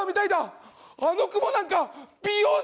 あの雲なんか美容師だ！